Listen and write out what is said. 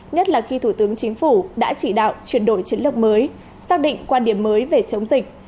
nhất là khi thủ tướng chính phủ đã chỉ đạo chuyển đổi chiến lược mới xác định quan điểm mới về chống dịch